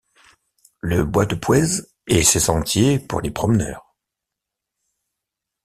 Le Bois de Pouez et ses sentiers pour les promeneurs.